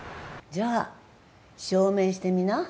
じゃあ証明してみな。